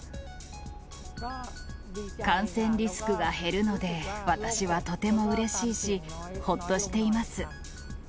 感染リスクが減るので、私はとてもうれしいし、ほっとしています。